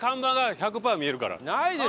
ないですよ！